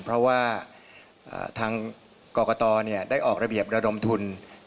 เพราะว่าทางกรกตได้ออกระเบียบระดมทุน